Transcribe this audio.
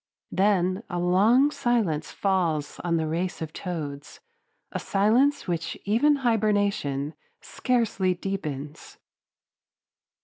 Then a long silence falls on the race of toads a silence which even hibernation scarcely deepens.